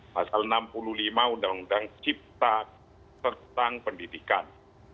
pasal enam puluh lima undang undang cipta tentang pendidikan